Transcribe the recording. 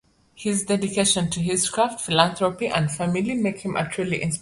His dedication to his craft, philanthropy, and family make him a truly inspirational figure.